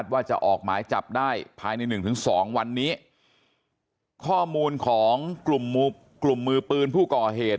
ว่าจะออกหมายจับได้ภายในหนึ่งถึงสองวันนี้ข้อมูลของกลุ่มกลุ่มมือปืนผู้ก่อเหตุ